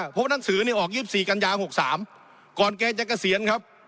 เพราะว่านักศือนี่ออก๒๔กันยา๖๓ก่อนแก้จักรเซียนครับ